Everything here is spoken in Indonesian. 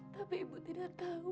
tapi ibu tidak tahu